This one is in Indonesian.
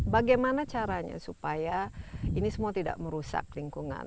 bagaimana caranya supaya ini semua tidak merusak lingkungan